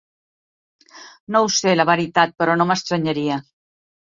No ho sé, la veritat, però no m'estranyaria.